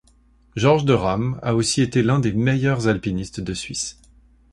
Georges de Rham a aussi été l'un des meilleurs alpinistes de Suisse.